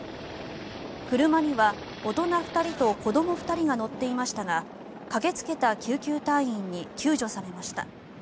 車には大人２人と子ども２人が乗っていましたが駆けつけた救急隊員に救助されました。